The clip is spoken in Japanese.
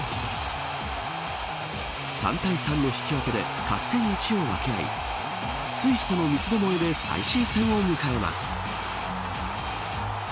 ３対３の引き分けで勝ち点１を分け合いスイスとの三つどもえで最終戦を迎えます。